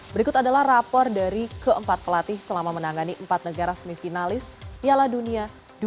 berikut adalah rapor dari keempat pelatih selama menangani empat negara semifinal piala dunia dua ribu dua puluh